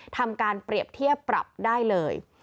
ทำการเปรียบเทียบปรับได้เลย